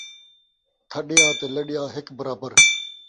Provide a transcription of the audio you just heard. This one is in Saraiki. تھݙیا تے لݙیا ہک برابر